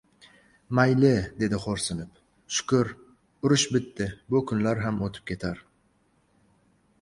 Mayli, — dedi xo‘rsinib. — Shukr, urush bitdi, bu kunlar ham o‘tib ketar.